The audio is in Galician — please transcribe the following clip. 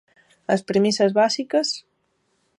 ¿As premisas básicas?